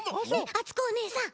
あつこおねえさん！